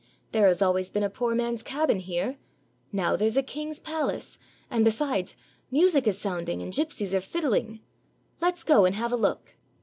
"There has always been a poor man's cabin here, now there's a king's palace, and besides, music is sounding, and gyp sies are fiddling. Let's go and have a look."